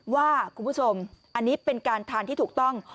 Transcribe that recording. ว่าคุณผู้ชมอันนี้เป็นการทานที่ถูกต้อง